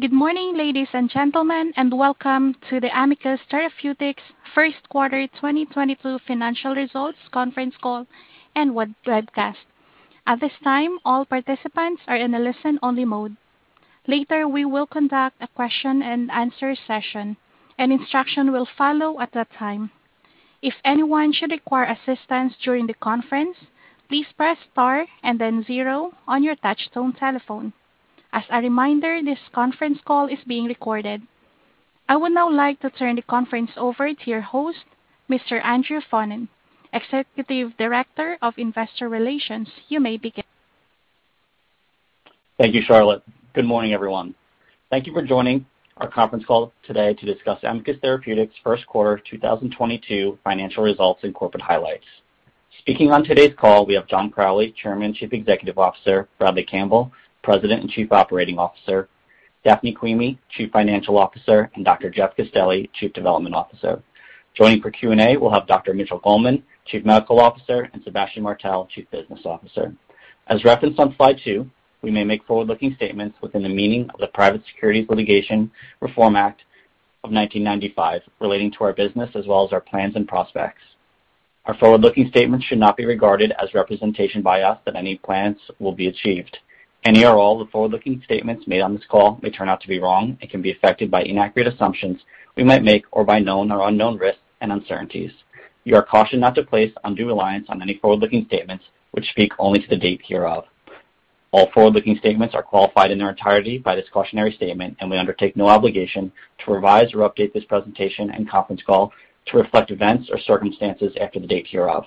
Good morning, ladies and gentlemen, and welcome to the Amicus Therapeutics first quarter 2022 financial results conference call and web broadcast. At this time, all participants are in a listen-only mode. Later, we will conduct a Q&A session. An instruction will follow at that time. If anyone should require assistance during the conference, please press star and then zero on your touchtone telephone. As a reminder, this conference call is being recorded. I would now like to turn the conference over to your host, Mr. Andrew Faughnan, Executive Director of Investor Relations. You may begin. Thank you, Charlotte. Good morning, everyone. Thank you for joining our conference call today to discuss Amicus Therapeutics' first quarter 2022 financial results and corporate highlights. Speaking on today's call, we have John Crowley, Chairman, Chief Executive Officer, Bradley Campbell, President and Chief Operating Officer, Daphne Quimi, Chief Financial Officer, and Dr. Jeff Castelli, Chief Development Officer. Joining for Q&A, we'll have Dr. Mitchell Goldman, Chief Medical Officer, and Sébastien Martel, Chief Business Officer. As referenced on slide two, we may make forward-looking statements within the meaning of the Private Securities Litigation Reform Act of 1995 relating to our business as well as our plans and prospects. Our forward-looking statements should not be regarded as representation by us that any plans will be achieved. Any or all the forward-looking statements made on this call may turn out to be wrong and can be affected by inaccurate assumptions we might make or by known or unknown risks and uncertainties. You are cautioned not to place undue reliance on any forward-looking statements which speak only to the date hereof. All forward-looking statements are qualified in their entirety by this cautionary statement, and we undertake no obligation to revise or update this presentation and conference call to reflect events or circumstances after the date hereof.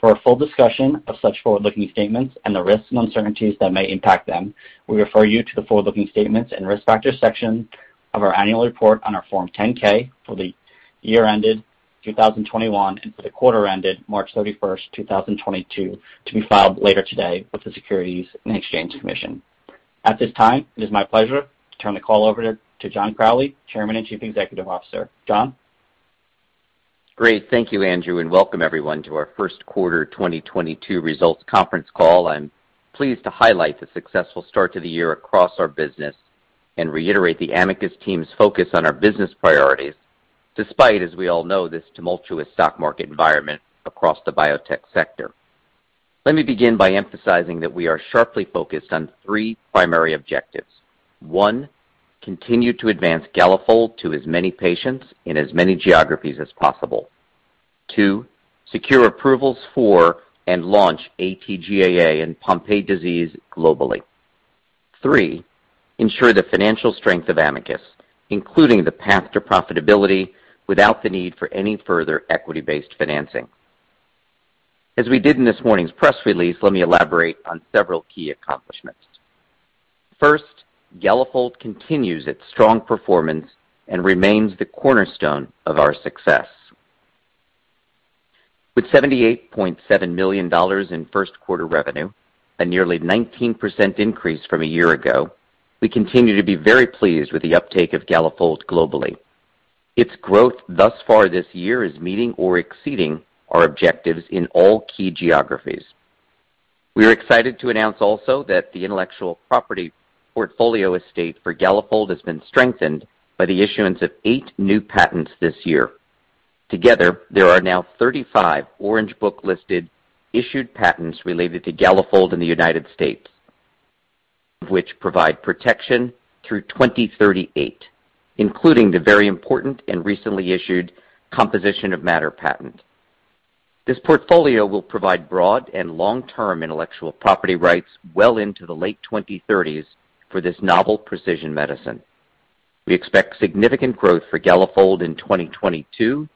For a full discussion of such forward-looking statements and the risks and uncertainties that may impact them, we refer you to the forward-looking statements and risk factors section of our annual report on our Form 10-K for the year ended 2021 and for the quarter ended March 31st, 2022 to be filed later today with the Securities and Exchange Commission. At this time, it is my pleasure to turn the call over to John Crowley, Chairman and Chief Executive Officer. John? Great. Thank you, Andrew, and welcome everyone to our first quarter 2022 results conference call. I'm pleased to highlight the successful start to the year across our business and reiterate the Amicus team's focus on our business priorities, despite, as we all know, this tumultuous stock market environment across the biotech sector. Let me begin by emphasizing that we are sharply focused on three primary objectives. One, continue to advance Galafold to as many patients in as many geographies as possible. Two, secure approvals for and launch AT-GAA and Pompe disease globally. Three, ensure the financial strength of Amicus, including the path to profitability without the need for any further equity-based financing. As we did in this morning's press release, let me elaborate on several key accomplishments. First, Galafold continues its strong performance and remains the cornerstone of our success. With $78.7 million in first quarter revenue, a nearly 19% increase from a year ago, we continue to be very pleased with the uptake of Galafold globally. Its growth thus far this year is meeting or exceeding our objectives in all key geographies. We are excited to announce also that the intellectual property portfolio estate for Galafold has been strengthened by the issuance of eight new patents this year. Together, there are now 35 Orange Book listed issued patents related to Galafold in the United States, which provide protection through 2038, including the very important and recently issued composition of matter patent. This portfolio will provide broad and long-term intellectual property rights well into the late 2030s for this novel precision medicine. We expect significant growth for Galafold in 2022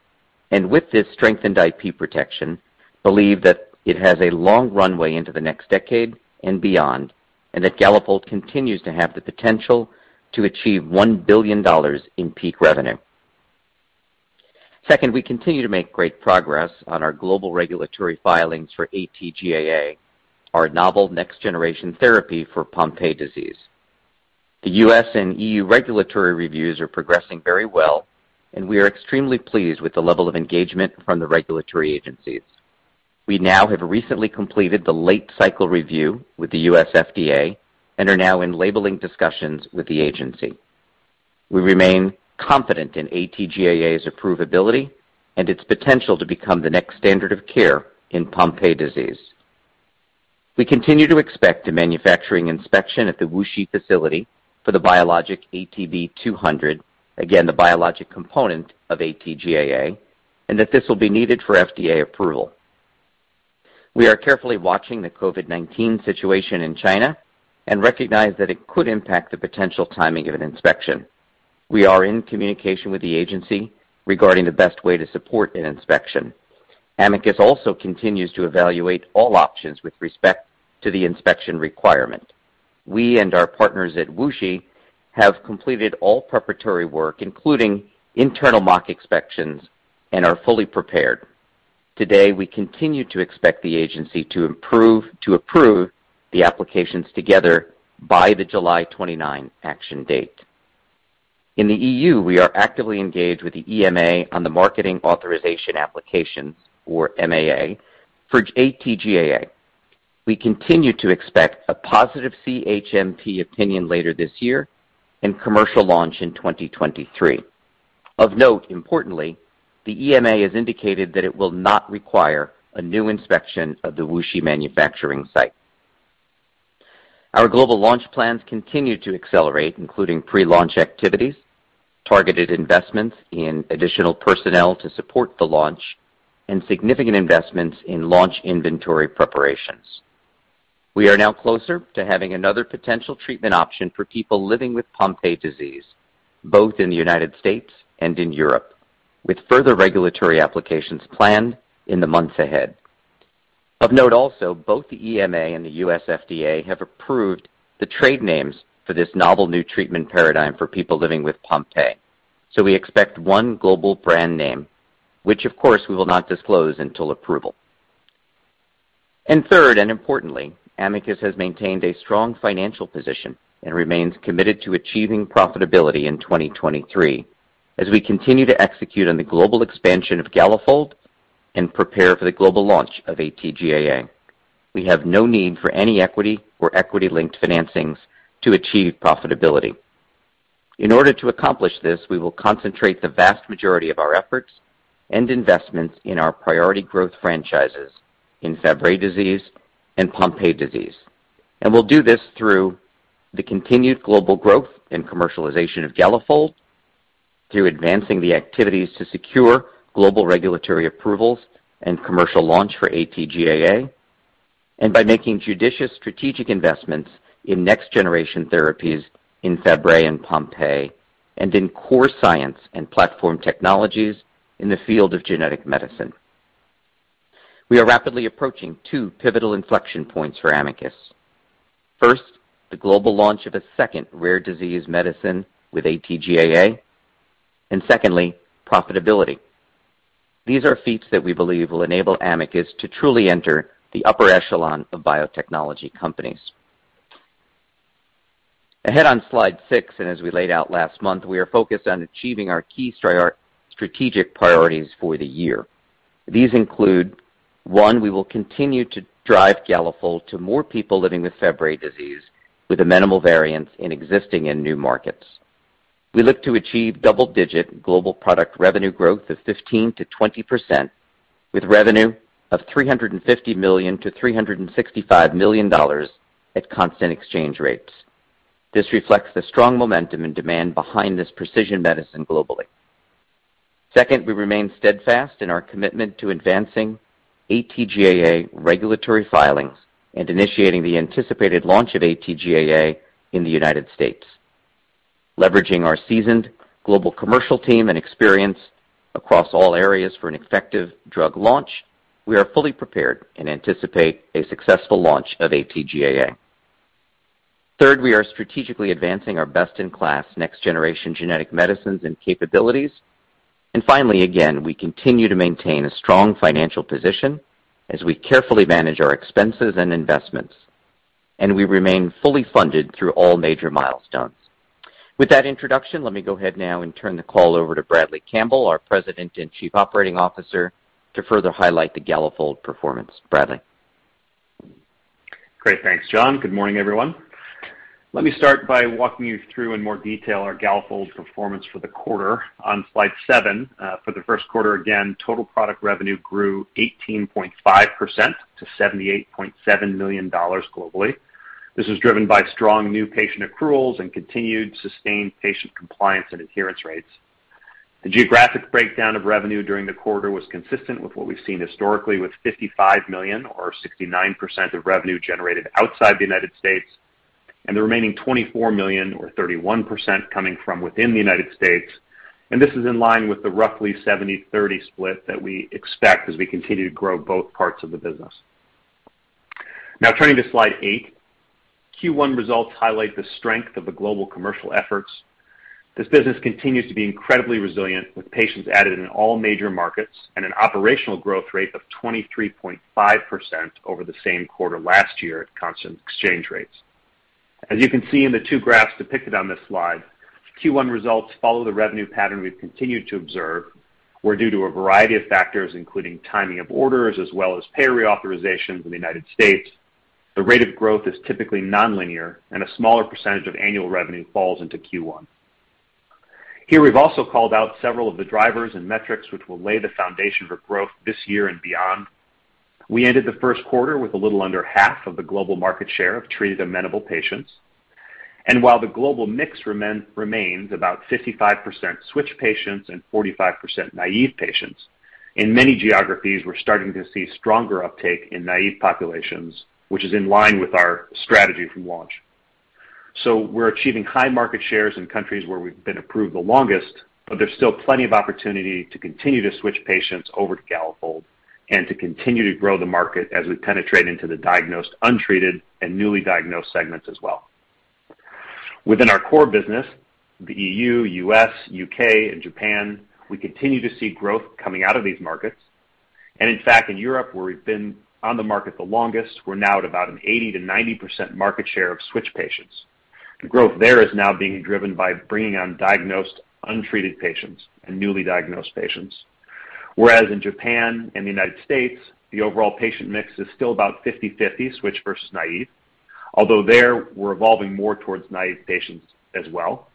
and with this strengthened IP protection, believe that it has a long runway into the next decade and beyond, and that Galafold continues to have the potential to achieve $1 billion in peak revenue. Second, we continue to make great progress on our global regulatory filings for AT-GAA, our novel next generation therapy for Pompe disease. The U.S. and EU regulatory reviews are progressing very well, and we are extremely pleased with the level of engagement from the regulatory agencies. We now have recently completed the late cycle review with the U.S. FDA and are now in labeling discussions with the agency. We remain confident in AT-GAA's approvability and its potential to become the next standard of care in Pompe disease. We continue to expect a manufacturing inspection at the WuXi facility for the biologic ATB200, again, the biologic component of AT-GAA, and that this will be needed for FDA approval. We are carefully watching the COVID-19 situation in China and recognize that it could impact the potential timing of an inspection. We are in communication with the agency regarding the best way to support an inspection. Amicus also continues to evaluate all options with respect to the inspection requirement. We and our partners at WuXi have completed all preparatory work, including internal mock inspections and are fully prepared. Today, we continue to expect the agency to approve the applications together by the July 29 action date. In the EU, we are actively engaged with the EMA on the Marketing Authorization Applications, or MAA, for AT-GAA. We continue to expect a positive CHMP opinion later this year and commercial launch in 2023. Of note, importantly, the EMA has indicated that it will not require a new inspection of the WuXi manufacturing site. Our global launch plans continue to accelerate, including pre-launch activities, targeted investments in additional personnel to support the launch and significant investments in launch inventory preparations. We are now closer to having another potential treatment option for people living with Pompe disease, both in the United States and in Europe, with further regulatory applications planned in the months ahead. Of note also, both the EMA and the U.S. FDA have approved the trade names for this novel new treatment paradigm for people living with Pompe. We expect one global brand name, which of course, we will not disclose until approval. Third, and importantly, Amicus has maintained a strong financial position and remains committed to achieving profitability in 2023 as we continue to execute on the global expansion of Galafold and prepare for the global launch of AT-GAA. We have no need for any equity or equity-linked financings to achieve profitability. In order to accomplish this, we will concentrate the vast majority of our efforts and investments in our priority growth franchises in Fabry disease and Pompe disease. We'll do this through the continued global growth and commercialization of Galafold, through advancing the activities to secure global regulatory approvals and commercial launch for AT-GAA, and by making judicious strategic investments in next-generation therapies in Fabry and Pompe and in core science and platform technologies in the field of genetic medicine. We are rapidly approaching two pivotal inflection points for Amicus. First, the global launch of a second rare disease medicine with AT-GAA, and secondly, profitability. These are feats that we believe will enable Amicus to truly enter the upper echelon of biotechnology companies. Ahead on slide six, and as we laid out last month, we are focused on achieving our key strategic priorities for the year. These include, one, we will continue to drive Galafold to more people living with Fabry disease with amenable variants in existing and new markets. We look to achieve double-digit global product revenue growth of 15%-20%, with revenue of $350 million-$365 million at constant exchange rates. This reflects the strong momentum and demand behind this precision medicine globally. Second, we remain steadfast in our commitment to advancing AT-GAA regulatory filings and initiating the anticipated launch of AT-GAA in the United States. Leveraging our seasoned global commercial team and experience across all areas for an effective drug launch, we are fully prepared and anticipate a successful launch of AT-GAA. Third, we are strategically advancing our best-in-class next-generation genetic medicines and capabilities. Finally, again, we continue to maintain a strong financial position as we carefully manage our expenses and investments, and we remain fully funded through all major milestones. With that introduction, let me go ahead now and turn the call over to Bradley Campbell, our President and Chief Operating Officer, to further highlight the Galafold performance. Bradley? Great. Thanks, John. Good morning, everyone. Let me start by walking you through in more detail our Galafold performance for the quarter. On slide seven, for the first quarter, again, total product revenue grew 18.5% to $78.7 million globally. This is driven by strong new patient accruals and continued sustained patient compliance and adherence rates. The geographic breakdown of revenue during the quarter was consistent with what we've seen historically, with $55 million or 69% of revenue generated outside the United States, and the remaining $24 million or 31% coming from within the United States. This is in line with the roughly 70/30 split that we expect as we continue to grow both parts of the business. Now turning to slide eight, Q1 results highlight the strength of the global commercial efforts. This business continues to be incredibly resilient, with patients added in all major markets and an operational growth rate of 23.5% over the same quarter last year at constant exchange rates. As you can see in the two graphs depicted on this slide, Q1 results follow the revenue pattern we've continued to observe, where due to a variety of factors, including timing of orders as well as prior authorizations in the United States, the rate of growth is typically nonlinear and a smaller percentage of annual revenue falls into Q1. Here we've also called out several of the drivers and metrics which will lay the foundation for growth this year and beyond. We ended the first quarter with a little under half of the global market share of treated amenable patients. While the global mix remains about 55% switch patients and 45% naive patients, in many geographies, we're starting to see stronger uptake in naive populations, which is in line with our strategy from launch. We're achieving high market shares in countries where we've been approved the longest, but there's still plenty of opportunity to continue to switch patients over to Galafold and to continue to grow the market as we penetrate into the diagnosed, untreated, and newly diagnosed segments as well. Within our core business, the EU, U.S., U.K., and Japan, we continue to see growth coming out of these markets. In fact, in Europe, where we've been on the market the longest, we're now at about an 80%-90% market share of switch patients. The growth there is now being driven by bringing on diagnosed, untreated patients and newly diagnosed patients. Whereas in Japan and the United States, the overall patient mix is still about 50/50 switch versus naive, although there we're evolving more towards naive patients as well.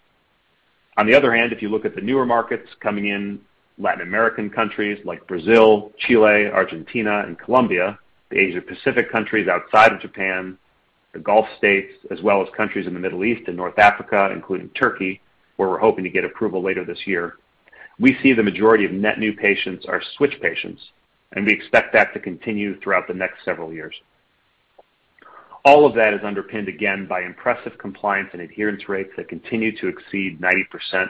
On the other hand, if you look at the newer markets coming in, Latin American countries like Brazil, Chile, Argentina and Colombia, the Asia-Pacific countries outside of Japan, the Gulf States, as well as countries in the Middle East and North Africa, including Turkey, where we're hoping to get approval later this year. We see the majority of net new patients are switch patients, and we expect that to continue throughout the next several years. All of that is underpinned, again by impressive compliance and adherence rates that continue to exceed 90%.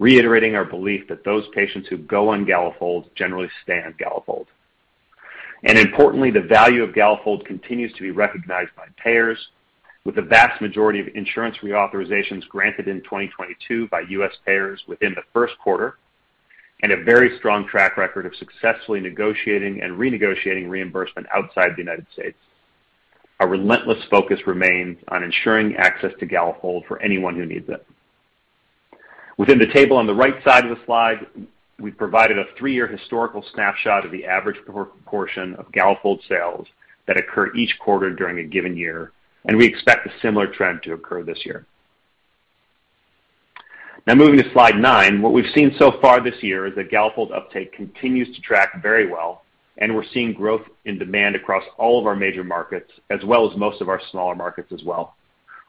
Reiterating our belief that those patients who go on Galafold generally stay on Galafold. Importantly, the value of Galafold continues to be recognized by payers with the vast majority of insurance reauthorizations granted in 2022 by U.S. payers within the first quarter and a very strong track record of successfully negotiating and renegotiating reimbursement outside the United States. Our relentless focus remains on ensuring access to Galafold for anyone who needs it. Within the table on the right side of the slide, we've provided a three-year historical snapshot of the average proportion of Galafold sales that occur each quarter during a given year, and we expect a similar trend to occur this year. Now moving to slide nine. What we've seen so far this year is that Galafold uptake continues to track very well, and we're seeing growth in demand across all of our major markets as well as most of our smaller markets as well.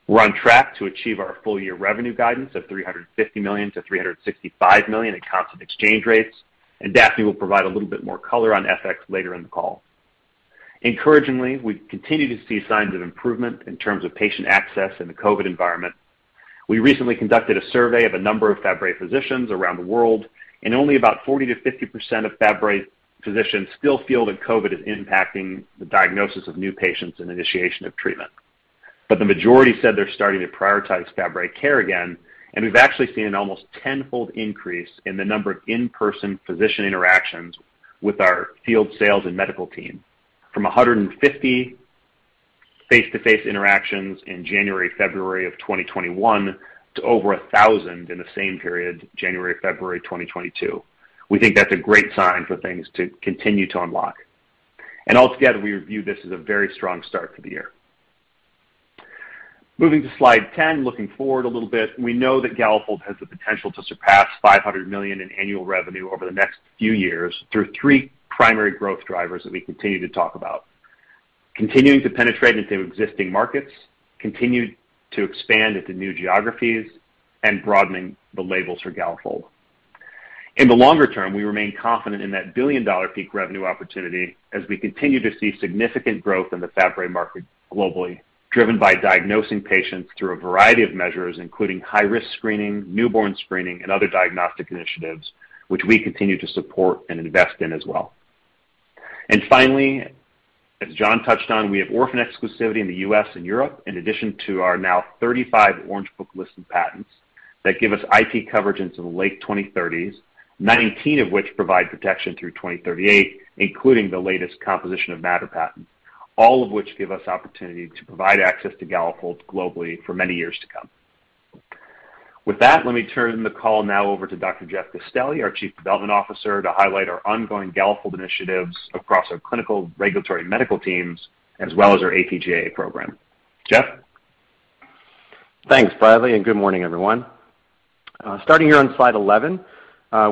We're on track to achieve our full-year revenue guidance of $350 million-$365 million in constant exchange rates, and Daphne will provide a little bit more color on FX later in the call. Encouragingly, we continue to see signs of improvement in terms of patient access in the COVID environment. We recently conducted a survey of a number of Fabry physicians around the world, and only about 40%-50% of Fabry physicians still feel that COVID is impacting the diagnosis of new patients and initiation of treatment. The majority said they're starting to prioritize Fabry care again. We've actually seen an almost tenfold increase in the number of in-person physician interactions with our field sales and medical team. From 150 face-to-face interactions in January, February of 2021 to over 1,000 in the same January, February 2022. We think that's a great sign for things to continue to unlock. Altogether, we review this as a very strong start to the year. Moving to slide 10. Looking forward a little bit, we know that Galafold has the potential to surpass $500 million in annual revenue over the next few years through three primary growth drivers that we continue to talk about. Continuing to penetrate into existing markets, continue to expand into new geographies and broadening the labels for Galafold. In the longer term, we remain confident in that billion-dollar peak revenue opportunity as we continue to see significant growth in the Fabry market globally, driven by diagnosing patients through a variety of measures, including high-risk screening, newborn screening and other diagnostic initiatives which we continue to support and invest in as well. Finally, as John touched on, we have orphan exclusivity in the US and Europe, in addition to our now 35 Orange Book listed patents that give us IP coverage into the late 2030s, 19 of which provide protection through 2038, including the latest composition of matter patent, all of which give us opportunity to provide access to Galafold globally for many years to come. With that, let me turn the call now over to Dr. Jeff Castelli, our Chief Development Officer, to highlight our ongoing Galafold initiatives across our clinical, regulatory, medical teams as well as our AT-GAA program. Jeff? Thanks, Bradley, and good morning everyone. Starting here on slide 11,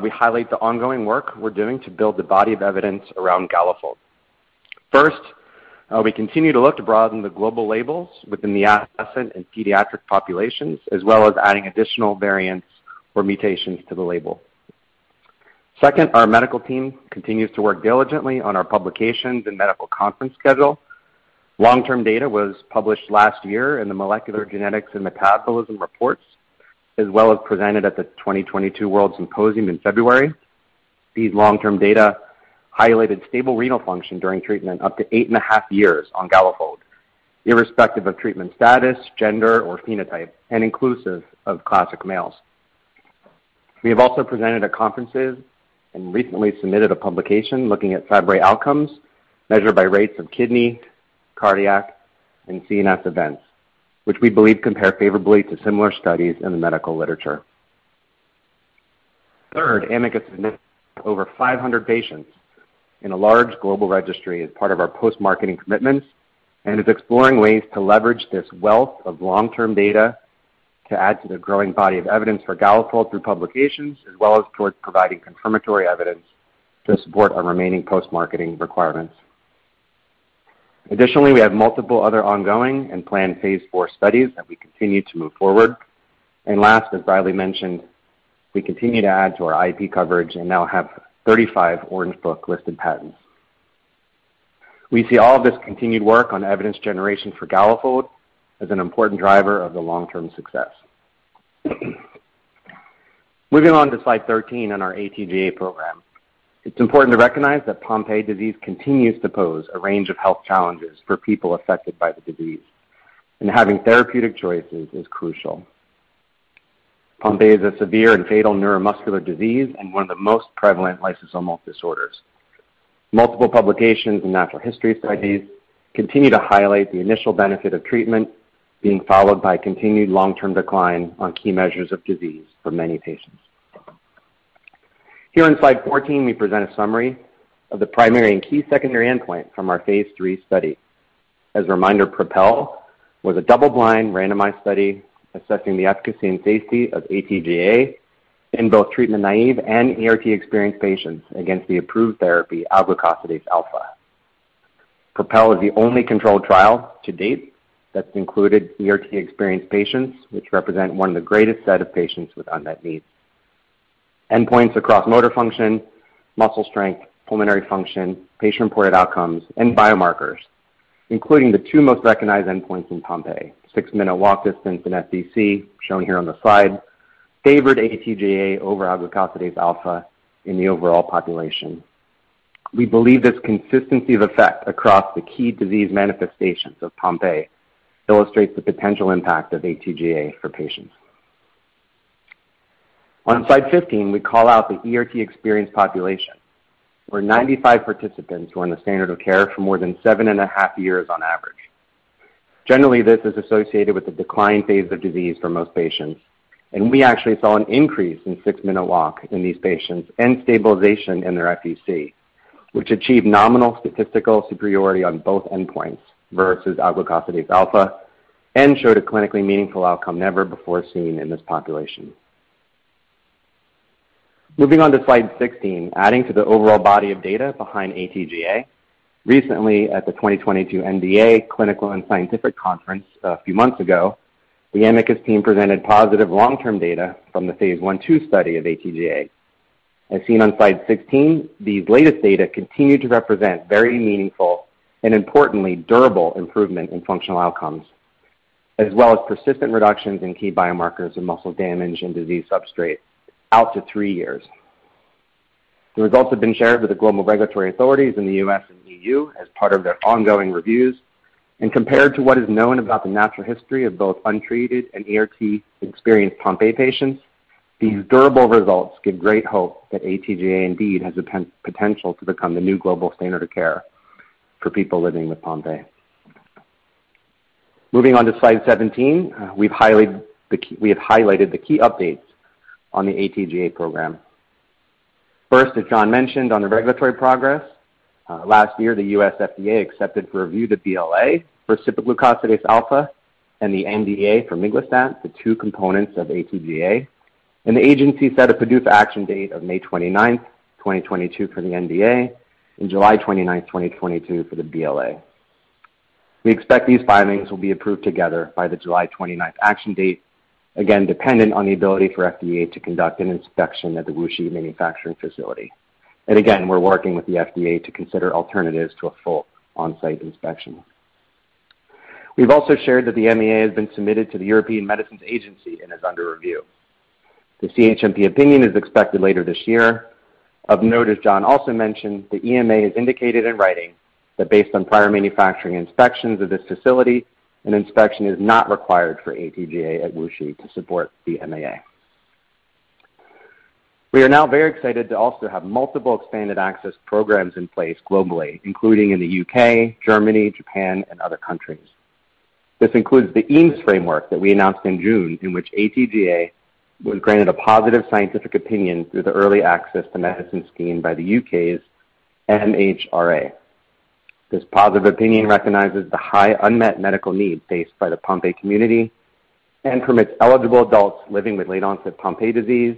we highlight the ongoing work we're doing to build the body of evidence around Galafold. First, we continue to look to broaden the global labels within the adolescent and pediatric populations, as well as adding additional variants or mutations to the label. Second, our medical team continues to work diligently on our publications and medical conference schedule. Long-term data was published last year in the Molecular Genetics and Metabolism Reports as well as presented at the 2022 WORLDSymposium in February. These long-term data highlighted stable renal function during treatment up to eight and a half years on Galafold, irrespective of treatment status, gender, or phenotype, and inclusive of classic males. We have also presented at conferences and recently submitted a publication looking at Fabry outcomes measured by rates of kidney, cardiac and CNS events, which we believe compare favorably to similar studies in the medical literature. Third, Amicus has 500 patients in a large global registry as part of our post-marketing commitments and is exploring ways to leverage this wealth of long-term data to add to the growing body of evidence for Galafold through publications, as well as towards providing confirmatory evidence to support our remaining post-marketing requirements. Additionally, we have multiple other ongoing and planned phase IV studies that we continue to move forward. Last, as Bradley mentioned, we continue to add to our IP coverage and now have 35 Orange Book listed patents. We see all of this continued work on evidence generation for Galafold as an important driver of the long-term success. Moving on to slide 13 on our AT-GAA program. It's important to recognize that Pompe disease continues to pose a range of health challenges for people affected by the disease, and having therapeutic choices is crucial. Pompe is a severe and fatal neuromuscular disease and one of the most prevalent lysosomal disorders. Multiple publications and natural history studies continue to highlight the initial benefit of treatment being followed by continued long-term decline on key measures of disease for many patients. Here on slide 14, we present a summary of the primary and key secondary endpoint from our phase III study. As a reminder, PROPEL was a double-blind randomized study assessing the efficacy and safety of AT-GAA in both treatment naive and ERT experienced patients against the approved therapy, alglucosidase alfa. PROPEL is the only controlled trial to date that's included ERT experienced patients, which represent one of the greatest set of patients with unmet needs. Endpoints across motor function, muscle strength, pulmonary function, patient-reported outcomes, and biomarkers, including the two most recognized endpoints in Pompe, 6-Minute Walk distance and FVC, shown here on the slide, favored AT-GAA over alglucosidase alfa in the overall population. We believe this consistency of effect across the key disease manifestations of Pompe illustrates the potential impact of AT-GAA for patients. On slide 15, we call out the ERT experienced population, where 95 participants were on the standard of care for more than 7.5 years on average. Generally, this is associated with the decline phase of disease for most patients, and we actually saw an increase in 6-Minute Walk in these patients and stabilization in their FVC, which achieved nominal statistical superiority on both endpoints versus alglucosidase alfa and showed a clinically meaningful outcome never before seen in this population. Moving on to slide 16, adding to the overall body of data behind AT-GAA, recently at the 2022 MDA Clinical and Scientific Conference a few months ago, the Amicus team presented positive long-term data from the phase I, II study of AT-GAA. As seen on slide 16, these latest data continue to represent very meaningful and importantly, durable improvement in functional outcomes, as well as persistent reductions in key biomarkers of muscle damage and disease substrate out to three years. The results have been shared with the global regulatory authorities in the U.S. and EU as part of their ongoing reviews. Compared to what is known about the natural history of both untreated and ERT experienced Pompe patients, these durable results give great hope that AT-GAA indeed has the potential to become the new global standard of care for people living with Pompe. Moving on to slide 17, we have highlighted the key updates on the AT-GAA program. First, as John mentioned on the regulatory progress, last year, the U.S. FDA accepted for review the BLA for cipaglucosidase alfa and the NDA for miglustat, the two components of AT-GAA, and the agency set a PDUFA action date of May 29th, 2022 for the NDA and July 29, 2022 for the BLA. We expect these filings will be approved together by the July 29 action date, again, dependent on the ability for FDA to conduct an inspection at the WuXi manufacturing facility. Again, we're working with the FDA to consider alternatives to a full on-site inspection. We've also shared that the MAA has been submitted to the European Medicines Agency and is under review. The CHMP opinion is expected later this year. Of note, as John also mentioned, the EMA has indicated in writing that based on prior manufacturing inspections of this facility, an inspection is not required for AT-GAA at WuXi to support the MAA. We are now very excited to also have multiple expanded access programs in place globally, including in the U.K., Germany, Japan, and other countries. This includes the EAMS framework that we announced in June in which AT-GAA was granted a positive scientific opinion through the early access to medicine scheme by the U.K.'s MHRA. This positive opinion recognizes the high unmet medical need faced by the Pompe community and permits eligible adults living with late onset Pompe disease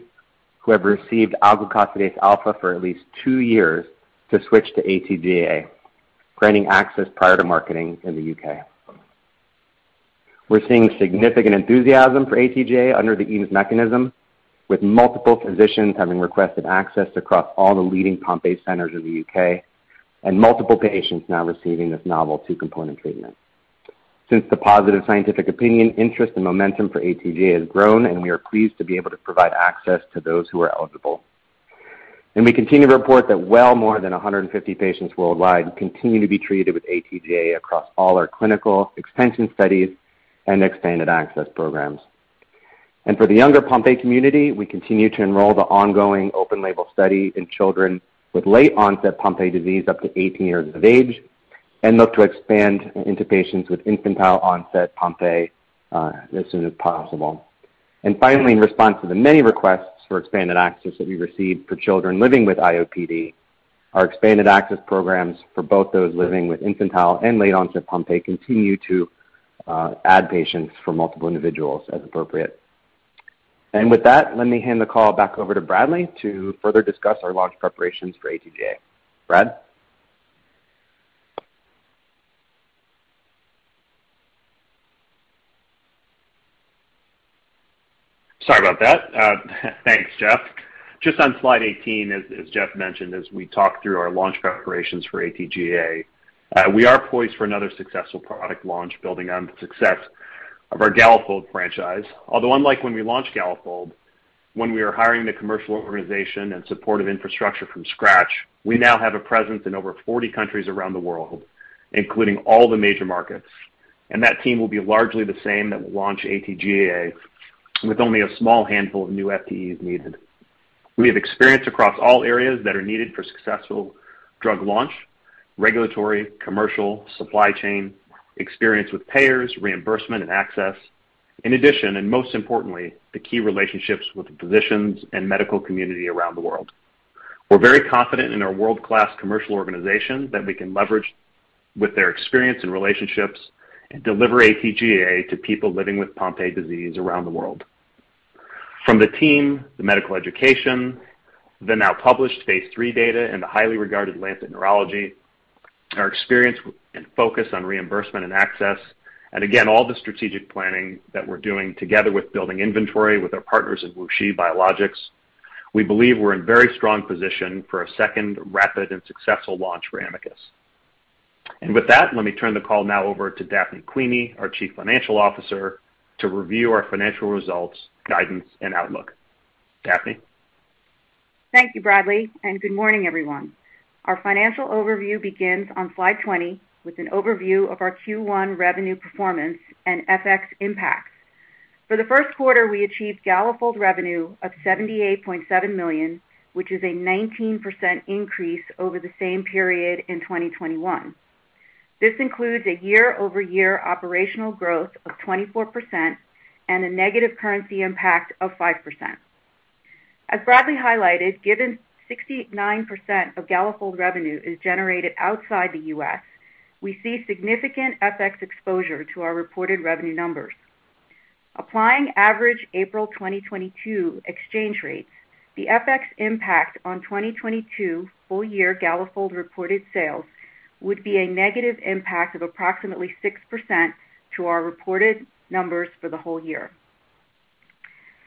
who have received alglucosidase alfa for at least two years to switch to AT-GAA, granting access prior to marketing in the U.K. We're seeing significant enthusiasm for AT-GAA under the EAMS mechanism, with multiple physicians having requested access across all the leading Pompe centers in the U.K. and multiple patients now receiving this novel two-component treatment. Since the positive scientific opinion, interest and momentum for AT-GAA has grown, and we are pleased to be able to provide access to those who are eligible. We continue to report that well more than 150 patients worldwide continue to be treated with AT-GAA across all our clinical extension studies and expanded access programs. For the younger Pompe community, we continue to enroll the ongoing open label study in children with late-onset Pompe disease up to 18 years of age and look to expand into patients with infantile-onset Pompe as soon as possible. Finally, in response to the many requests for expanded access that we've received for children living with IOPD, our expanded access programs for both those living with infantile- and late-onset Pompe continue to add patients for multiple individuals as appropriate. With that, let me hand the call back over to Bradley to further discuss our launch preparations for AT-GAA. Brad? Sorry about that. Thanks, Jeff. Just on slide 18, as Jeff mentioned, as we talk through our launch preparations for AT-GAA, we are poised for another successful product launch building on the success of our Galafold franchise. Although, unlike when we launched Galafold when we are hiring the commercial organization and supportive infrastructure from scratch, we now have a presence in over 40 countries around the world, including all the major markets, and that team will be largely the same that will launch AT-GAA with only a small handful of new FTEs needed. We have experience across all areas that are needed for successful drug launch, regulatory, commercial, supply chain, experience with payers, reimbursement, and access. In addition, and most importantly, the key relationships with the physicians and medical community around the world. We're very confident in our world-class commercial organization that we can leverage with their experience and relationships and deliver AT-GAA to people living with Pompe disease around the world. From the team, the medical education, the now published phase III data in the highly regarded The Lancet Neurology, our experience and focus on reimbursement and access, and again, all the strategic planning that we're doing together with building inventory with our partners at WuXi Biologics. We believe we're in very strong position for a second rapid and successful launch for Amicus. With that, let me turn the call now over to Daphne Quimi, our Chief Financial Officer, to review our financial results, guidance, and outlook. Daphne? Thank you, Bradley, and good morning, everyone. Our financial overview begins on slide 20 with an overview of our Q1 revenue performance and FX impacts. For the first quarter, we achieved Galafold revenue of $78.7 million, which is a 19% increase over the same period in 2021. This includes a year-over-year operational growth of 24% and a negative currency impact of 5%. As Bradley highlighted, given 69% of Galafold revenue is generated outside the U.S., we see significant FX exposure to our reported revenue numbers. Applying average April 2022 exchange rates, the FX impact on 2022 full-year Galafold reported sales would be a negative impact of approximately 6% to our reported numbers for the whole year.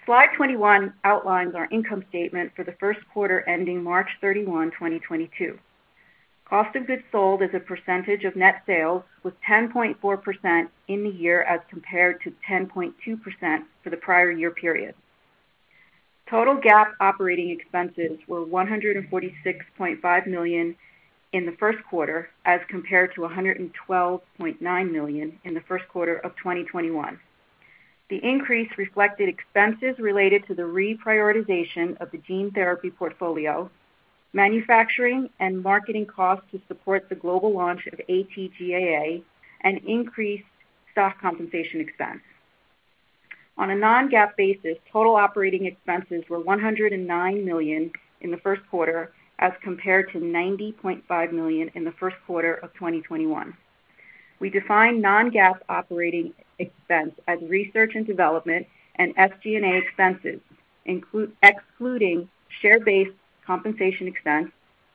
Slide 21 outlines our income statement for the first quarter ending March 31, 2022. Cost of goods sold as a percentage of net sales was 10.4% in the year as compared to 10.2% for the prior year period. Total GAAP operating expenses were $146.5 million in the first quarter as compared to $112.9 million in the first quarter of 2021. The increase reflected expenses related to the reprioritization of the gene therapy portfolio, manufacturing and marketing costs to support the global launch of AT-GAA, and increased stock compensation expense. On a non-GAAP basis, total operating expenses were $109 million in the first quarter as compared to $90.5 million in the first quarter of 2021. We define non-GAAP operating expense as research and development and SG&A expenses, excluding share-based compensation expense,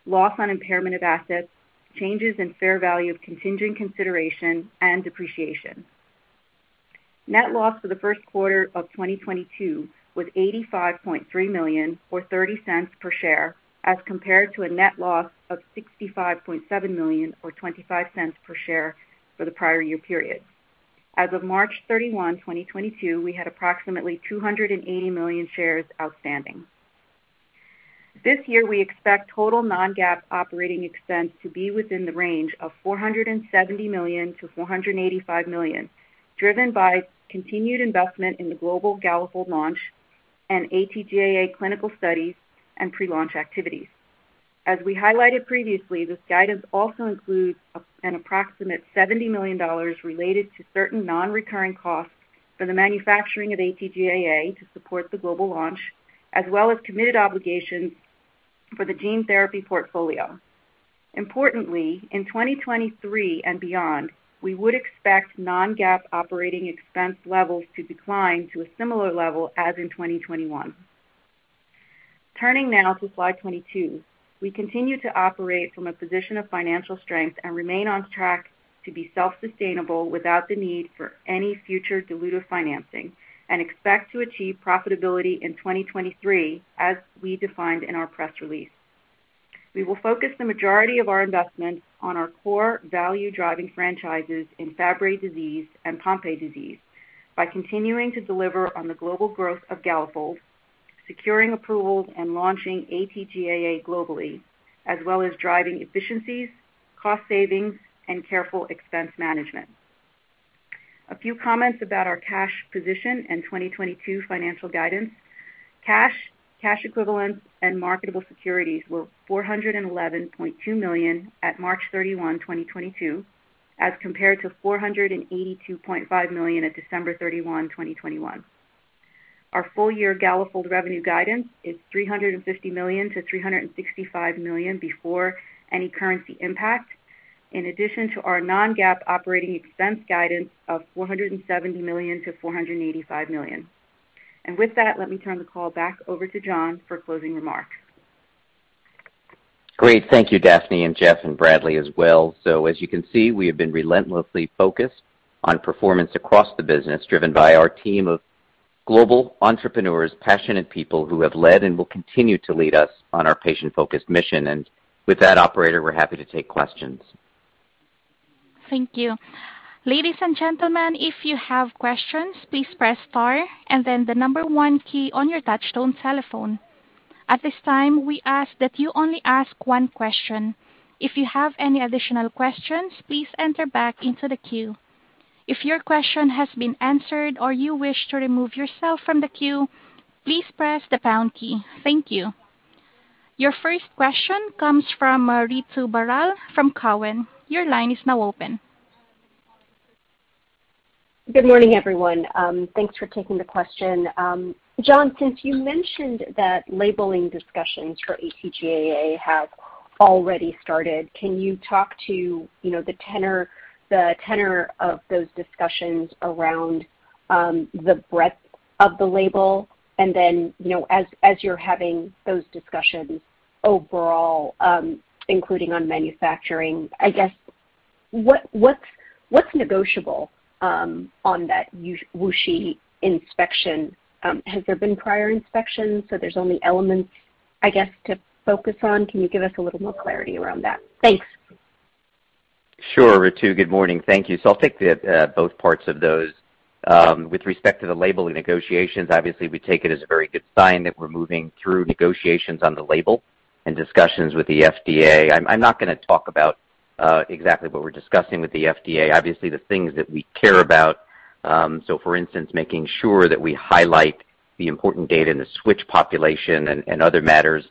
loss on impairment of assets, changes in fair value of contingent consideration, and depreciation. Net loss for the first quarter of 2022 was $85.3 million or $0.30 per share, as compared to a net loss of $65.7 million or $0.25 per share for the prior year period. As of March 31, 2022, we had approximately 280 million shares outstanding. This year, we expect total non-GAAP operating expense to be within the range of $470 million-$485 million, driven by continued investment in the global Galafold launch and AT-GAA clinical studies and pre-launch activities. As we highlighted previously, this guidance also includes an approximate $70 million related to certain non-recurring costs for the manufacturing of AT-GAA to support the global launch, as well as committed obligations for the gene therapy portfolio. Importantly, in 2023 and beyond, we would expect non-GAAP operating expense levels to decline to a similar level as in 2021. Turning now to slide 22. We continue to operate from a position of financial strength and remain on track to be self-sustainable without the need for any future dilutive financing and expect to achieve profitability in 2023, as we defined in our press release. We will focus the majority of our investment on our core value-driving franchises in Fabry disease and Pompe disease by continuing to deliver on the global growth of Galafold, securing approvals, and launching AT-GAA globally, as well as driving efficiencies, cost savings, and careful expense management. A few comments about our cash position and 2022 financial guidance. Cash, cash equivalents, and marketable securities were $411.2 million at March 31, 2022, as compared to $482.5 million at December 31, 2021. Our full-year Galafold revenue guidance is $350 million-$365 million before any currency impact, in addition to our non-GAAP operating expense guidance of $470 million-$485 million. With that, let me turn the call back over to John for closing remarks. Great. Thank you, Daphne and Jeff and Bradley as well. As you can see, we have been relentlessly focused on performance across the business, driven by our team of global entrepreneurs, passionate people who have led and will continue to lead us on our patient-focused mission. With that, operator, we're happy to take questions. Thank you. Ladies and gentlemen, if you have questions, please press star and then the number one key on your touch-tone telephone. At this time, we ask that you only ask one question. If you have any additional questions, please enter back into the queue. If your question has been answered or you wish to remove yourself from the queue, please press the pound key. Thank you. Your first question comes from Ritu Baral from Cowen. Your line is now open. Good morning, everyone. Thanks for taking the question. John, since you mentioned that labeling discussions for AT-GAA have already started, can you talk to, you know, the tenor of those discussions around the breadth of the label? You know, as you're having those discussions overall, including on manufacturing, I guess, what's negotiable on that U.S. WuXi inspection? Has there been prior inspections, so there's only elements, I guess, to focus on? Can you give us a little more clarity around that? Thanks. Sure, Ritu. Good morning. Thank you. I'll take the both parts of those. With respect to the labeling negotiations, obviously we take it as a very good sign that we're moving through negotiations on the label and discussions with the FDA. I'm not gonna talk about exactly what we're discussing with the FDA, obviously the things that we care about. For instance, making sure that we highlight the important data in the switch population and other matters.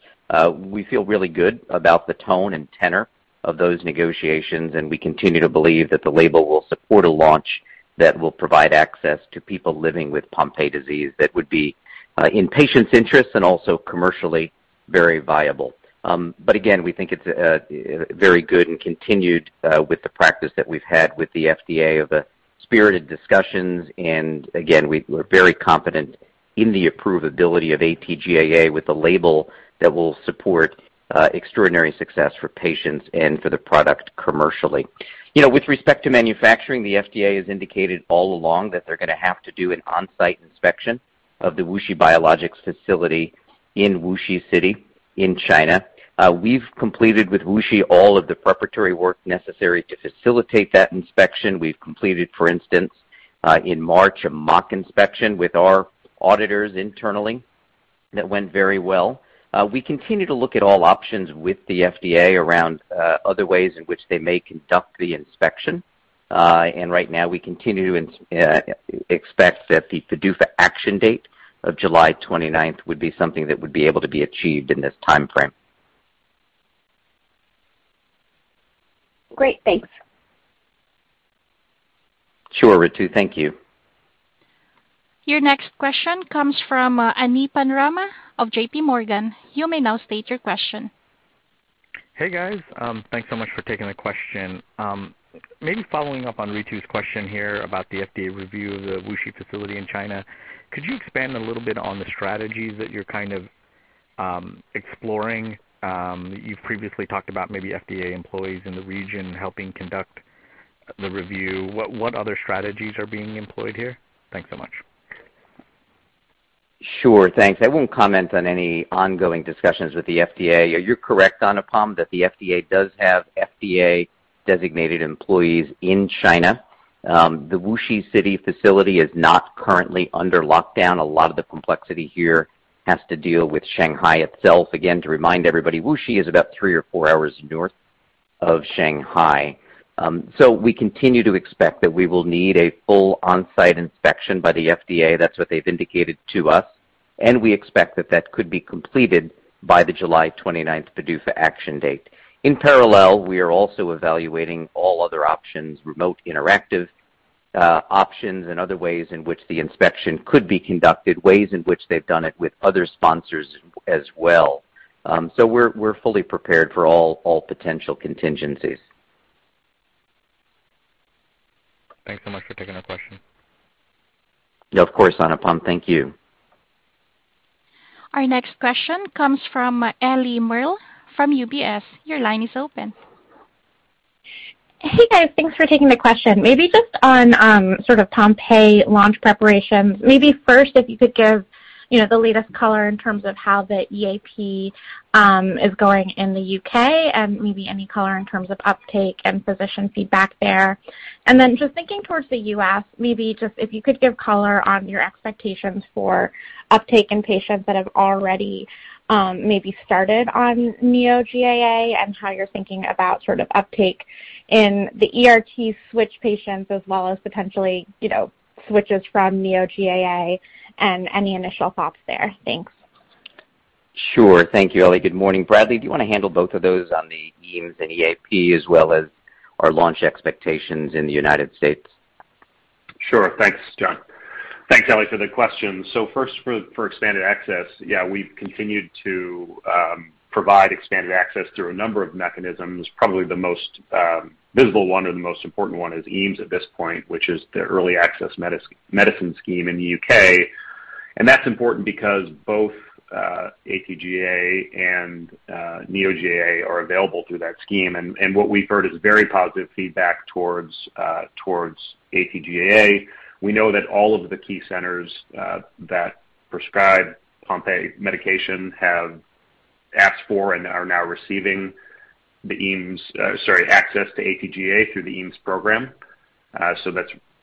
We feel really good about the tone and tenor of those negotiations, and we continue to believe that the label will support a launch that will provide access to people living with Pompe disease that would be in patients' interests and also commercially very viable. We think it's a very good and continuing practice that we've had with the FDA of the spirited discussions. We're very confident in the approvability of AT-GAA with a label that will support extraordinary success for patients and for the product commercially. You know, with respect to manufacturing, the FDA has indicated all along that they're gonna have to do an on-site inspection of the WuXi Biologics facility in WuXi City in China. We've completed with WuXi all of the preparatory work necessary to facilitate that inspection. We've completed, for instance, in March, a mock inspection with our auditors internally. That went very well. We continue to look at all options with the FDA around other ways in which they may conduct the inspection. Right now we continue to expect that the PDUFA action date of July twenty-ninth would be something that would be able to be achieved in this timeframe. Great. Thanks. Sure, Ritu. Thank you. Your next question comes from, Anupam Rama of JPMorgan. You may now state your question. Hey, guys. Thanks so much for taking the question. Maybe following up on Ritu's question here about the FDA review of the WuXi facility in China, could you expand a little bit on the strategies that you're kind of exploring? You've previously talked about maybe FDA employees in the region helping conduct the review. What other strategies are being employed here? Thanks so much. Sure. Thanks. I won't comment on any ongoing discussions with the FDA. You're correct, Anupam, that the FDA does have FDA-designated employees in China. The WuXi City facility is not currently under lockdown. A lot of the complexity here has to deal with Shanghai itself. Again, to remind everybody, WuXi is about three or four hours north of Shanghai. We continue to expect that we will need a full on-site inspection by the FDA. That's what they've indicated to us, and we expect that that could be completed by the July 29th PDUFA action date. In parallel, we are also evaluating all other options, remote interactive options and other ways in which the inspection could be conducted, ways in which they've done it with other sponsors as well. We're fully prepared for all potential contingencies. Thanks so much for taking the question. Yeah, of course, Anupam. Thank you. Our next question comes from Ellie Merle from UBS. Your line is open. Hey, guys. Thanks for taking the question. Maybe just on sort of Pompe launch preparation, maybe first, if you could give, you know, the latest color in terms of how the EAP is going in the U.K. and maybe any color in terms of uptake and physician feedback there. Then just thinking towards the US, maybe just if you could give color on your expectations for uptake in patients that have already maybe started on Nexviazyme and how you're thinking about sort of uptake in the ERT switch patients as well as potentially, you know, switches from Nexviazyme and any initial thoughts there. Thanks. Sure. Thank you, Ellie. Good morning. Bradley, do you wanna handle both of those on the EAMS and EAP as well as our launch expectations in the United States? Sure. Thanks, John. Thanks, Ellie, for the question. First for expanded access, yeah, we've continued to provide expanded access through a number of mechanisms. Probably the most visible one or the most important one is EAMS at this point, which is the Early Access to Medicines Scheme in the U.K. That's important because both AT-GAA and Nexviazyme are available through that scheme. What we've heard is very positive feedback towards AT-GAA. We know that all of the key centers that prescribe Pompe medication have Asked for and are now receiving access to AT-GAA through the EAMS program. That's,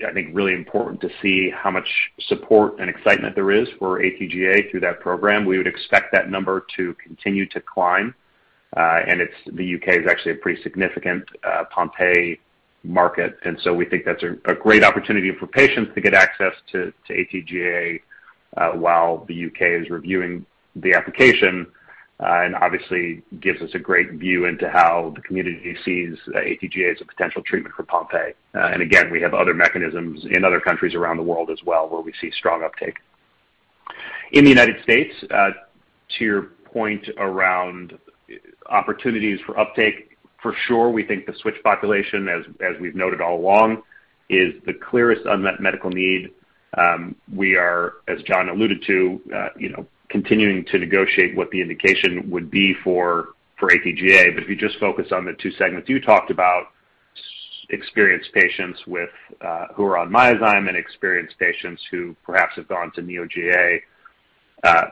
I think, really important to see how much support and excitement there is for AT-GAA through that program. We would expect that number to continue to climb. It's the UK is actually a pretty significant Pompe market, and we think that's a great opportunity for patients to get access to AT-GAA while the U.K. is reviewing the application, and obviously gives us a great view into how the community sees AT-GAA as a potential treatment for Pompe. Again, we have other mechanisms in other countries around the world as well, where we see strong uptake. In the United States, to your point around opportunities for uptake, for sure, we think the switch population, as we've noted all along, is the clearest unmet medical need. We are, as John alluded to, you know, continuing to negotiate what the indication would be for AT-GAA. If you just focus on the two segments you talked about, experienced patients, who are on Myozyme and experienced patients who perhaps have gone to Nexviazyme.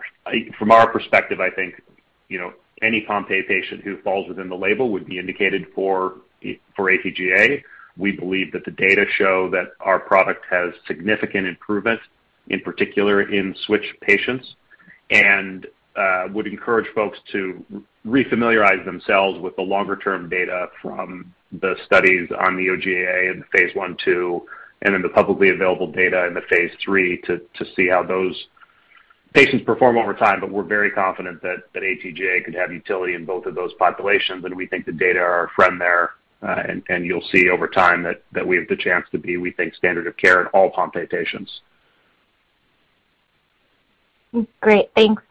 From our perspective, I think, you know, any Pompe patient who falls within the label would be indicated for AT-GAA. We believe that the data show that our product has significant improvement, in particular in switch patients, and would encourage folks to refamiliarize themselves with the longer-term data from the studies on Nexviazyme in the phase I, II, and in the publicly available data in the phase III to see how those patients perform over time. We're very confident that AT-GAA could have utility in both of those populations. We think the data are our friend there. You'll see over time that we have the chance to be, we think, standard of care in all Pompe patients. Great. Thanks.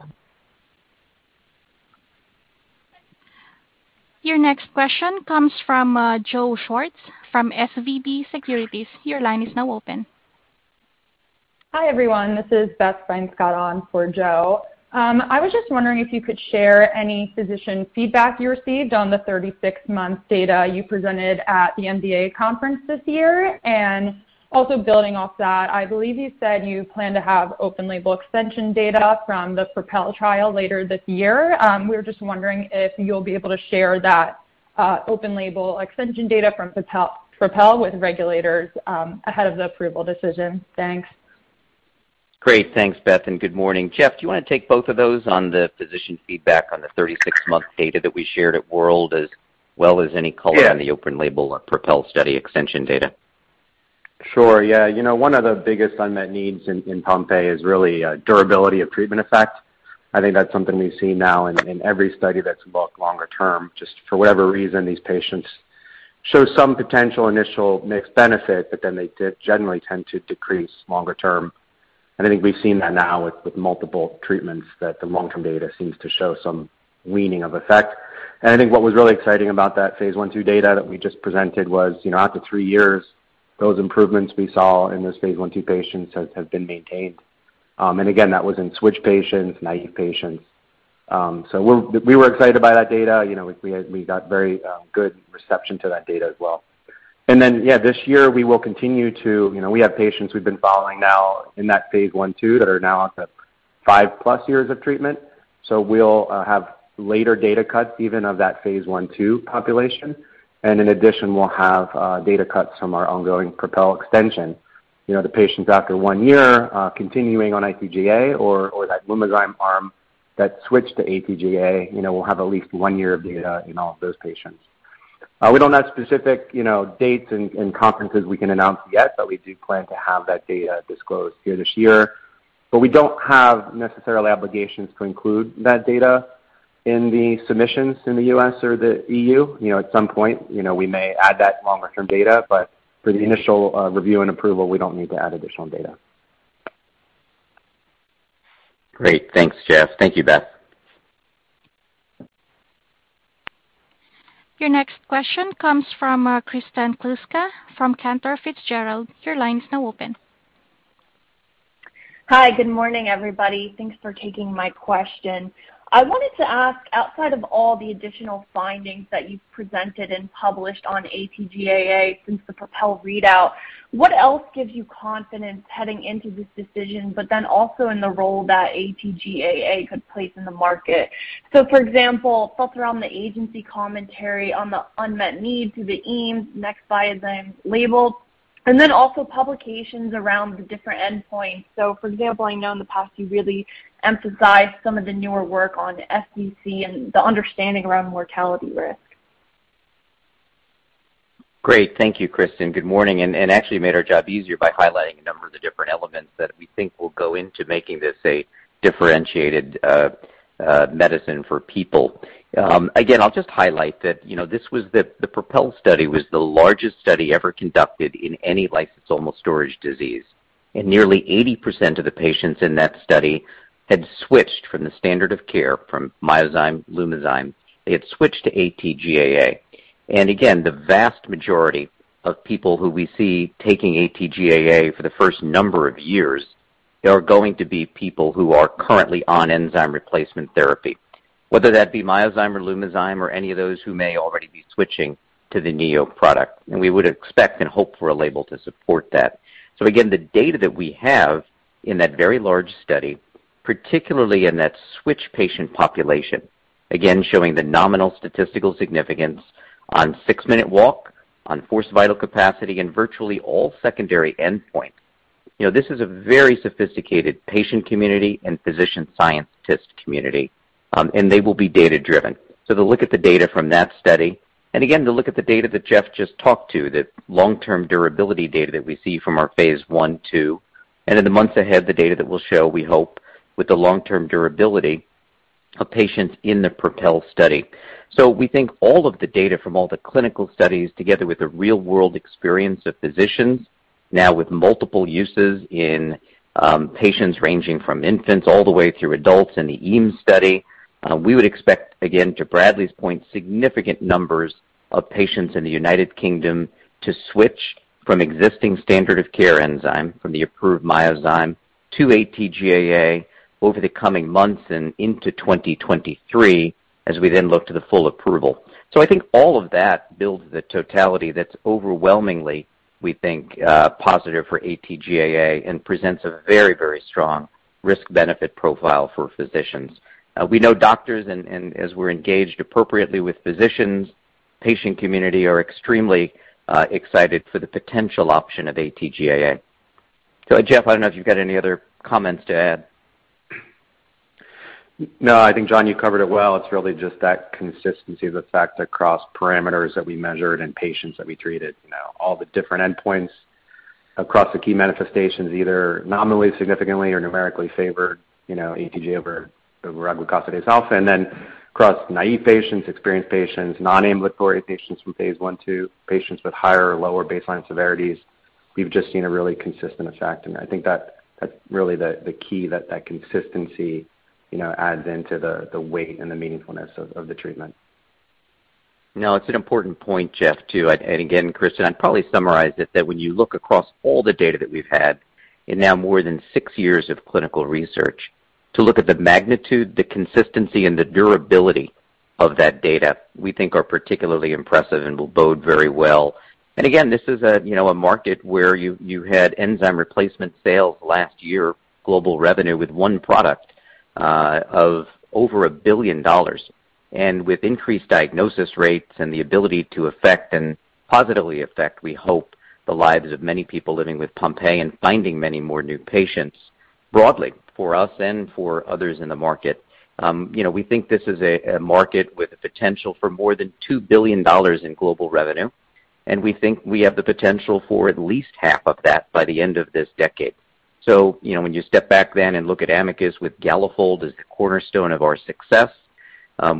Your next question comes from, Joe Schwartz from SVB Securities. Your line is now open. Hi, everyone. This is Beth Stein-Scott on for Joe. I was just wondering if you could share any physician feedback you received on the 36-month data you presented at the NDA conference this year. Also building off that, I believe you said you plan to have open label extension data from the PROPEL trial later this year. We were just wondering if you'll be able to share that open label extension data from PROPEL with regulators ahead of the approval decision. Thanks. Great. Thanks, Beth, and good morning. Jeff, do you wanna take both of those on the physician feedback on the 36-month data that we shared at WORLDSymposium, as well as any color. Yeah. On the open label PROPEL study extension data? Sure, yeah. You know, one of the biggest unmet needs in Pompe is really durability of treatment effect. I think that's something we see now in every study that's longer term. Just for whatever reason, these patients show some potential initial mixed benefit, but then they generally tend to decrease longer term. I think we've seen that now with multiple treatments that the long-term data seems to show some weaning of effect. I think what was really exciting about that phase I, II data that we just presented was, you know, after three years, those improvements we saw in those phase I, II patients have been maintained. Again, that was in switch patients, naive patients. We were excited by that data. You know, we got very good reception to that data as well. Yeah, this year we will continue to. You know, we have patients we've been following now in that phase I, II that are now on the 5+ years of treatment. We'll have later data cuts even of that phase I, II population. In addition, we'll have data cuts from our ongoing PROPEL extension. You know, the patients after 1 year continuing on AT-GAA or that Lumizyme arm that switched to AT-GAA, you know, we'll have at least one year of data in all of those patients. We don't have specific, you know, dates and conferences we can announce yet, but we do plan to have that data disclosed here this year. We don't have necessarily obligations to include that data in the submissions in the U.S. or the EU You know, at some point, you know, we may add that longer-term data, but for the initial review and approval, we don't need to add additional data. Great. Thanks, Jeff. Thank you, Beth. Your next question comes from Kristen Kluska from Cantor Fitzgerald. Your line is now open. Hi. Good morning, everybody. Thanks for taking my question. I wanted to ask, outside of all the additional findings that you've presented and published on AT-GAA since the PROPEL readout, what else gives you confidence heading into this decision, but then also in the role that AT-GAA could play in the market? For example, thoughts around the agency commentary on the unmet need through the EAMS, Nexviazyme label, and then also publications around the different endpoints. For example, I know in the past you really emphasized some of the newer work on SDC and the understanding around mortality risk. Great. Thank you, Kristen. Good morning. Actually you made our job easier by highlighting a number of the different elements that we think will go into making this a differentiated medicine for people. Again, I'll just highlight that, you know, this was the PROPEL study, the largest study ever conducted in any lysosomal storage disease. Nearly 80% of the patients in that study had switched from the standard of care, from Myozyme, Lumizyme, they had switched to AT-GAA. Again, the vast majority of people who we see taking AT-GAA for the first number of years are going to be people who are currently on enzyme replacement therapy, whether that be Myozyme or Lumizyme or any of those who may already be switching to the new product. We would expect and hope for a label to support that. Again, the data that we have. In that very large study, particularly in that switch patient population, again, showing the nominal statistical significance on 6-Minute Walk, on forced vital capacity and virtually all secondary endpoints. You know, this is a very sophisticated patient community and physician scientist community, and they will be data-driven. They'll look at the data from that study, and again, to look at the data that Jeff just talked to, that long-term durability data that we see from our phase I, II. In the months ahead, the data that we'll show, we hope, with the long-term durability of patients in the PROPEL study. We think all of the data from all the clinical studies, together with the real-world experience of physicians now with multiple uses in patients ranging from infants all the way through adults in the EAMS study. We would expect, again, to Bradley's point, significant numbers of patients in the United Kingdom to switch from existing standard of care enzyme from the approved Myozyme to AT-GAA over the coming months and into 2023 as we then look to the full approval. I think all of that builds the totality that's overwhelmingly, we think, positive for AT-GAA and presents a very, very strong risk-benefit profile for physicians. We know doctors and as we're engaged appropriately with physicians, patient community are extremely excited for the potential option of AT-GAA. Jeff, I don't know if you've got any other comments to add. No, I think, John, you covered it well. It's really just that consistency, the fact across parameters that we measured and patients that we treated. You know, all the different endpoints across the key manifestations, either nominally, significantly, or numerically favored, you know, AT-GAA over alglucosidase alfa. Then across naive patients, experienced patients, non-ambulatory patients from phase I, II, patients with higher or lower baseline severities, we've just seen a really consistent effect. I think that's really the key that consistency, you know, adds into the weight and the meaningfulness of the treatment. No, it's an important point, Jeff, too. Again, Kristen, I'd probably summarize it that when you look across all the data that we've had in now more than six years of clinical research, to look at the magnitude, the consistency and the durability of that data, we think are particularly impressive and will bode very well. Again, this is a, you know, a market where you had enzyme replacement sales last year, global revenue with one product of over $1 billion. With increased diagnosis rates and the ability to affect and positively affect, we hope, the lives of many people living with Pompe and finding many more new patients broadly for us and for others in the market. You know, we think this is a market with a potential for more than $2 billion in global revenue, and we think we have the potential for at least half of that by the end of this decade. You know, when you step back then and look at Amicus with Galafold as the cornerstone of our success,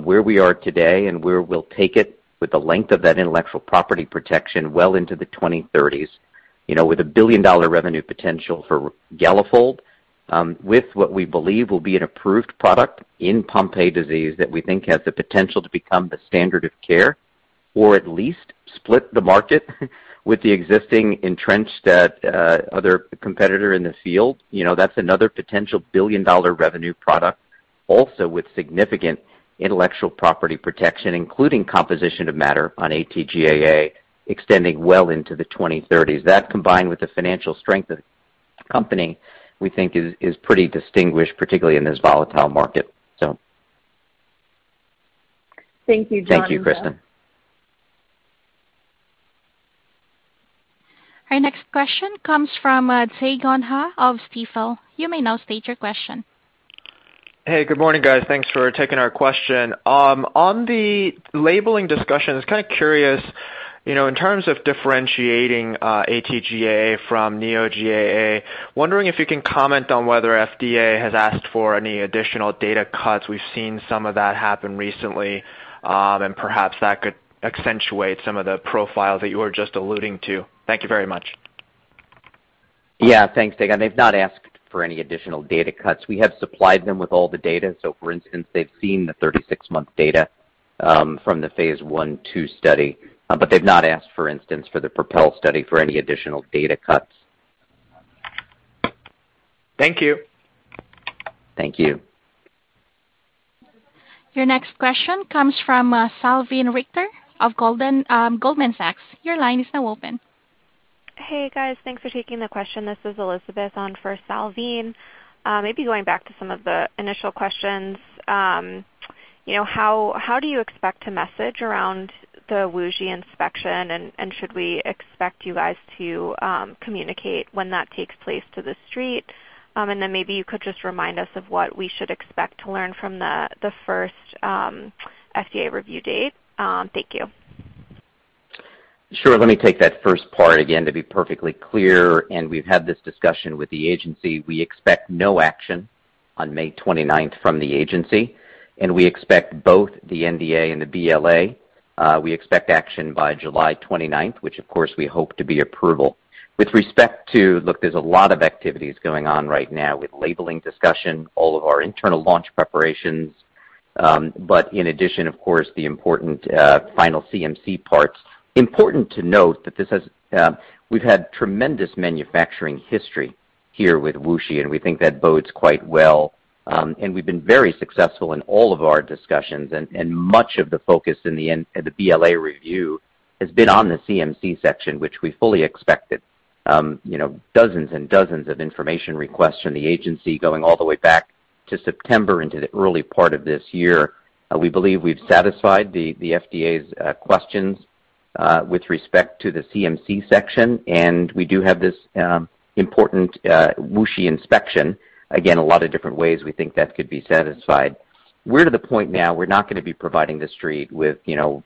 where we are today and where we'll take it with the length of that intellectual property protection well into the 2030s. You know, with a billion-dollar revenue potential for Galafold, with what we believe will be an approved product in Pompe disease that we think has the potential to become the standard of care, or at least split the market with the existing entrenched other competitor in the field. You know, that's another potential billion-dollar revenue product also with significant intellectual property protection, including composition to matter on AT-GAA extending well into the 2030s. That combined with the financial strength of the company, we think is pretty distinguished, particularly in this volatile market. Thank you, John and Jeff. Thank you, Kristen. Our next question comes from Dae Gon Ha of Stifel. You may now state your question. Hey, good morning, guys. Thanks for taking our question. On the labeling discussion, I was kind of curious, you know, in terms of differentiating, AT-GAA from Nexviazyme, wondering if you can comment on whether FDA has asked for any additional data cuts. We've seen some of that happen recently, and perhaps that could accentuate some of the profile that you were just alluding to. Thank you very much. Yeah. Thanks, Dae Gon Ha. They've not asked for any additional data cuts. We have supplied them with all the data. For instance, they've seen the 36-month data from the phase I/II study. They've not asked, for instance, for the PROPEL study for any additional data cuts. Thank you. Thank you. Your next question comes from Salveen Richter of Goldman Sachs. Your line is now open. Hey, guys. Thanks for taking the question. This is Elizabeth on for Salveen. Maybe going back to some of the initial questions, you know, how do you expect to message around the WuXi inspection? And should we expect you guys to communicate when that takes place to the street? And then maybe you could just remind us of what we should expect to learn from the first FDA review date. Thank you. Sure. Let me take that first part again to be perfectly clear, and we've had this discussion with the agency. We expect no action on May 29th from the agency, and we expect both the NDA and the BLA. We expect action by July 29th, which of course we hope to be approval. Look, there's a lot of activities going on right now with labeling discussion, all of our internal launch preparations. But in addition, of course, the important final CMC parts. Important to note that this has, we've had tremendous manufacturing history here with WuXi, and we think that bodes quite well. We've been very successful in all of our discussions and much of the focus in the end the BLA review has been on the CMC section, which we fully expected, you know, dozens and dozens of information requests from the agency going all the way back to September into the early part of this year. We believe we've satisfied the FDA's questions with respect to the CMC section, and we do have this important WuXi inspection. Again, a lot of different ways we think that could be satisfied. We're to the point now we're not gonna be providing the street with, you know.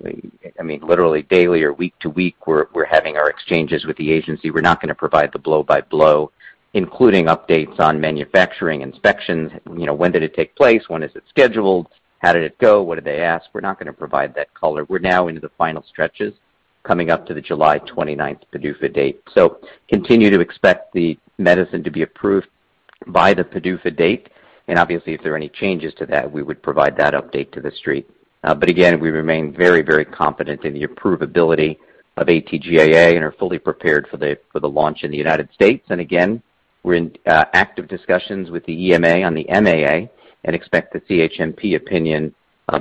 I mean, literally daily or week to week, we're having our exchanges with the agency. We're not gonna provide the blow-by-blow, including updates on manufacturing inspections. You know, when did it take place? When is it scheduled? How did it go? What did they ask? We're not gonna provide that color. We're now into the final stretches coming up to the July 29th PDUFA date. Continue to expect the medicine to be approved by the PDUFA date. Obviously, if there are any changes to that, we would provide that update to the street. Again, we remain very, very confident in the approvability of AT-GAA and are fully prepared for the launch in the United States. Again, we're in active discussions with the EMA on the MAA and expect the CHMP opinion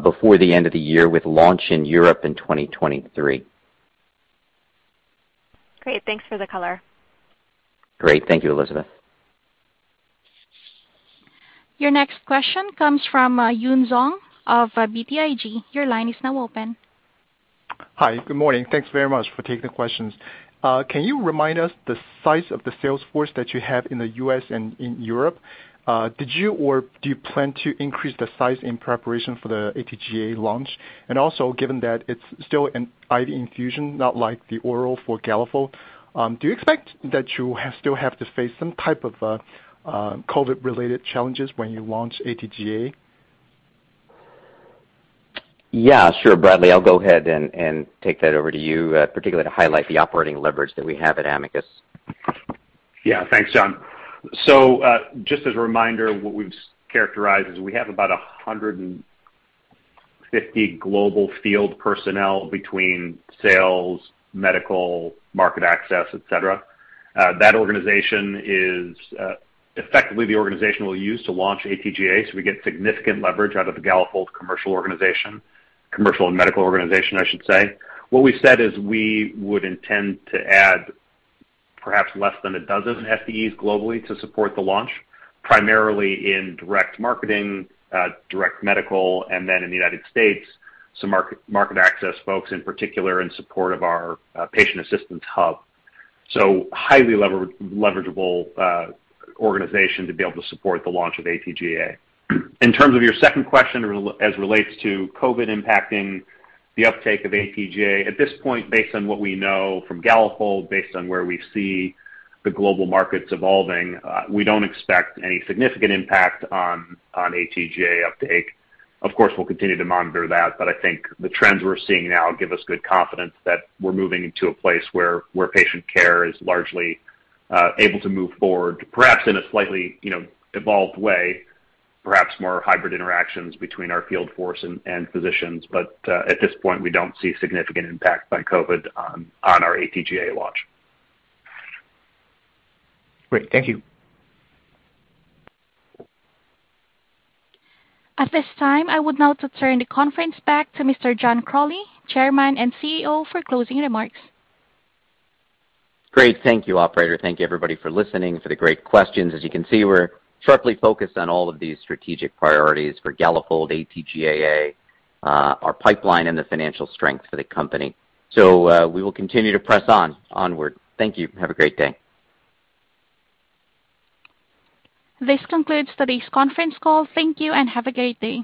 before the end of the year with launch in Europe in 2023. Great. Thanks for the color. Great. Thank you, Elizabeth. Your next question comes from, Yun Zhong of, BTIG. Your line is now open. Hi. Good morning. Thanks very much for taking the questions. Can you remind us the size of the sales force that you have in the U.S. and in Europe? Did you or do you plan to increase the size in preparation for the AT-GAA launch? Also, given that it's still an IV infusion, not like the oral for Galafold, do you expect that you still have to face some type of COVID-related challenges when you launch AT-GAA? Yeah, sure. Bradley, I'll go ahead and take that over to you, particularly to highlight the operating leverage that we have at Amicus. Yeah. Thanks, John. Just as a reminder, what we've characterized is we have about 150 global field personnel between sales, medical, market access, et cetera. That organization is effectively the organization we'll use to launch AT-GAA, so we get significant leverage out of the Galafold commercial organization. Commercial and medical organization, I should say. What we said is we would intend to add perhaps less than a dozen FTEs globally to support the launch, primarily in direct marketing, direct medical, and then in the United States, some market access folks in particular in support of our patient assistance hub. Highly leverageable organization to be able to support the launch of AT-GAA. In terms of your second question, as it relates to COVID impacting the uptake of AT-GAA, at this point, based on what we know from Galafold, based on where we see the global markets evolving, we don't expect any significant impact on AT-GAA uptake. Of course, we'll continue to monitor that, but I think the trends we're seeing now give us good confidence that we're moving into a place where patient care is largely able to move forward, perhaps in a slightly, you know, evolved way, perhaps more hybrid interactions between our field force and physicians. At this point, we don't see significant impact by COVID on our AT-GAA launch. Great. Thank you. At this time, I would now like to turn the conference back to Mr. John Crowley, Chairman and CEO, for closing remarks. Great. Thank you, operator. Thank you, everybody, for listening, for the great questions. As you can see, we're sharply focused on all of these strategic priorities for Galafold, AT-GAA, our pipeline and the financial strength for the company. We will continue to press on onward. Thank you. Have a great day. This concludes today's conference call. Thank you, and have a great day.